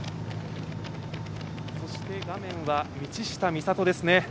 そして画面は道下美里ですね。